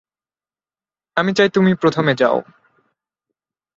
আমি চাই তুমি প্রথমে যাও।